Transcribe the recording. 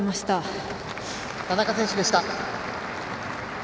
田中選手でした。